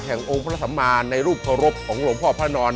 องค์พระสัมมาในรูปเคารพของหลวงพ่อพระนอน